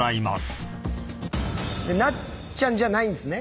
なっちゃんじゃないんですね？